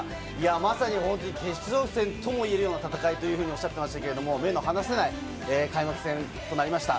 まさに決勝戦とも言えるような戦いとおっしゃっていましたが、目が離せない開幕戦となりました。